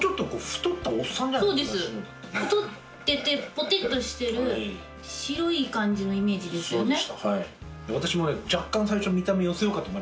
太っててぽてっとしてる白い感じのイメージですよね。